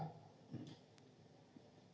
dapat informasi sejumlah enam lima ratus dua belas